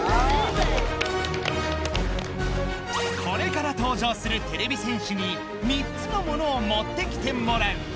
これから登場するてれび戦士に３つのものをもってきてもらう。